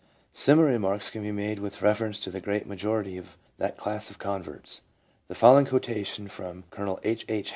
Similar remarks can be made with reference to the great majority of that class of converts. The following quotation from Col. H. H.